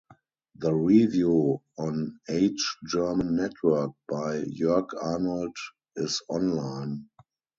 The review on H-German network by Joerg Arnold is online.